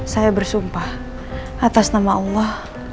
saya bersumpah atas nama allah